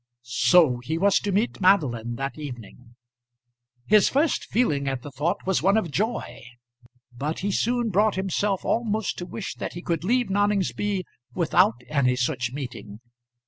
So he was to meet Madeline that evening. His first feeling at the thought was one of joy, but he soon brought himself almost to wish that he could leave Noningsby without any such meeting.